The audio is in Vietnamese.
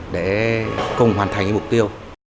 để cùng hoàn thành mục tiêu